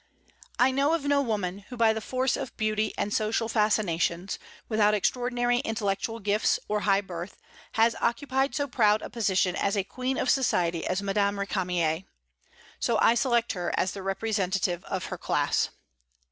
I know of no woman who by the force of beauty and social fascinations, without extraordinary intellectual gifts or high birth, has occupied so proud a position as a queen of society as Madame Récamier. So I select her as the representative of her class.